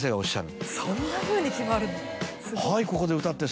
そんなふうに決まるの？